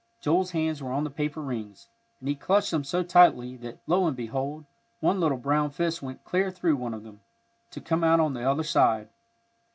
Joel's hands were on the paper rings, and he clutched them so tightly that, lo and behold, one little brown fist went clear through one of them, to come out on the other side!